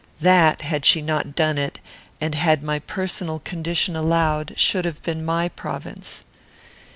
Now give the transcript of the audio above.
That, had she not done it, and had my personal condition allowed, should have been my province.